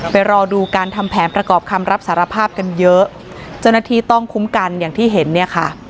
รอดูการทำแผนประกอบคำรับสารภาพกันเยอะเจ้าหน้าที่ต้องคุ้มกันอย่างที่เห็นเนี่ยค่ะ